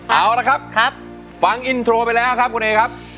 เอาละครับฟังอินโทรไปแล้วครับคุณเอครับ